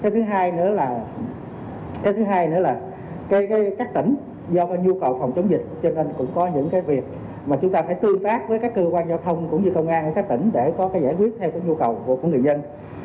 cái thứ hai nữa là các tỉnh do nhu cầu phòng chống dịch cho nên cũng có những cái việc mà chúng ta phải tương tác với các cơ quan giao thông cũng như công an ở các tỉnh để có cái giải quyết theo cái nhu cầu của người dân